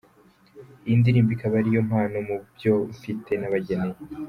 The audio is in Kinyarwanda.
Iyi ndirimbo ikaba ari yo mpano mu byo mfite nabageneye.